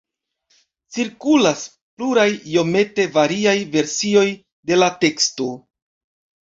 Cirkulas pluraj iomete variaj versioj de la teksto.